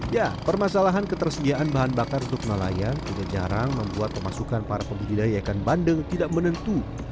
ya permasalahan ketersediaan bahan bakar untuk nelayan juga jarang membuat pemasukan para pembudidaya ikan bandeng tidak menentu